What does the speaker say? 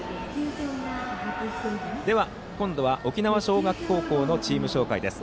では今度は沖縄尚学高校のチーム紹介です。